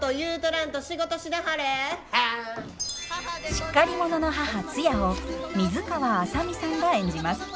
しっかり者の母ツヤを水川あさみさんが演じます。